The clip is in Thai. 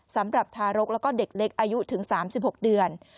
สำหรับทารกแล้วก็เด็กเล็กอายุถึง๓๖เดือน